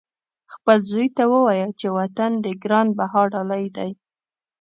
خپل زوی ته ووایه چې وطن دې ګران بها ډالۍ دی.